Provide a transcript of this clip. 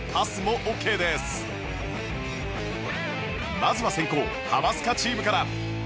まずは先攻ハマスカチームから